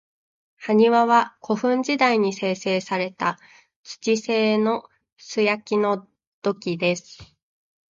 埴輪は、古墳時代に製作された土製の素焼きの土器です。